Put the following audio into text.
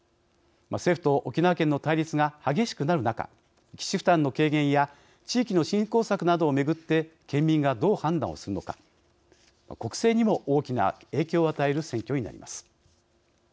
政府と沖縄県の対立が激しくなる中基地負担の軽減や地域の振興策などをめぐって県民がどう判断をするのか国政にも大きな影響を与える選挙になります。